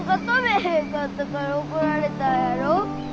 へんかったから怒られたんやろ？